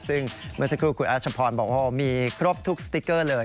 ซึ่งเมื่อสักครู่คุณรัชพรบอกว่ามีครบทุกสติ๊กเกอร์เลย